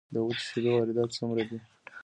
د وچو شیدو واردات څومره دي؟